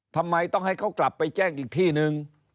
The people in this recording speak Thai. ทำไมต้องให้เขากลับไปแจ้งอีกที่นึง